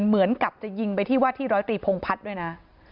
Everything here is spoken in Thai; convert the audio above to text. เหมือนกับจะยิงไปที่ว่าที่ร้อยตรีพงพัฒน์ด้วยนะ